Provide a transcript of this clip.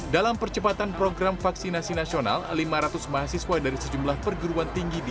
dalam percepatan program vaksinasi nasional lima ratus mahasiswa dari sejumlah perguruan tinggi di